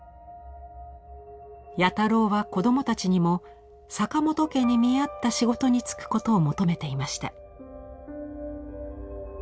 弥太郎は子どもたちにも坂本家に見合った仕事に就くことを求めていました。